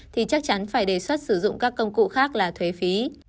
thì chắc chắn phải đề xuất sử dụng các công cụ khác là thuế phí